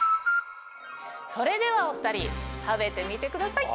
それではお２人食べてみてください。